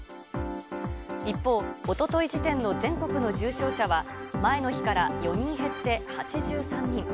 一方、おととい時点の全国の重症者は、前の日から４人減って８３人。